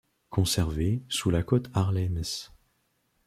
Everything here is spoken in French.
Conservé sous la cote Harley Ms.